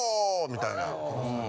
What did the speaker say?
みたいな。